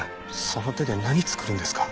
その手で何作るんですか？